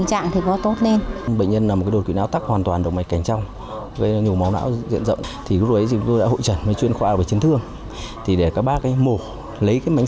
trong đó bệnh nhân bị đột quỵ nóng nên đã được chuyển từ tuyến huyện lên bệnh viện đa khoa tỉnh